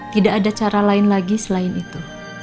tidak ada cara lain lagi selain itu